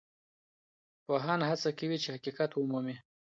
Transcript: پوهان هڅه کوي چي حقیقت ومومي.